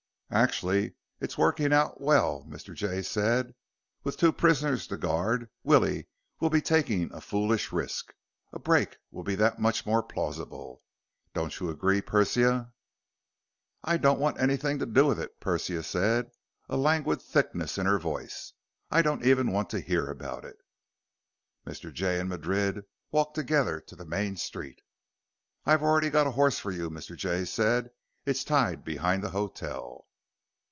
"Actually, it's working out well," Mr. Jay said. "With two prisoners to guard, Willie will be taking a foolish risk. A break will be that much more plausible. Don't you agree, Persia?" "I don't want anything to do with it," Persia said, a languid thickness in her voice. "I don't even want to hear about it." Mr. Jay and Madrid walked together to the main street. "I've already got a horse for you," Mr. Jay said. "It's tied behind the hotel."